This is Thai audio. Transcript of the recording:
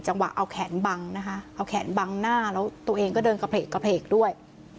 เอาแขนบังนะคะเอาแขนบังหน้าแล้วตัวเองก็เดินกระเพลกด้วย